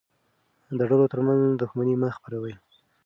د ډلو ترمنځ دښمني مه خپروه.